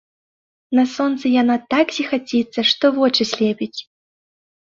На сонцы яна так зіхаціцца, што вочы слепіць.